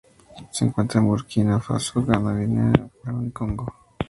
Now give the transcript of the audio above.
Se encuentra en Burkina Faso, Ghana, Guinea, Camerún y Congo.